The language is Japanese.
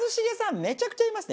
めちゃくちゃ言いますね。